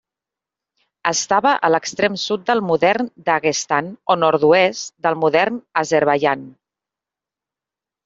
Estava a l'extrem sud del modern Daguestan o nord-oest del modern Azerbaidjan.